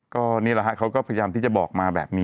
ก็นี่แหละฮะเขาก็พยายามที่จะบอกมาแบบนี้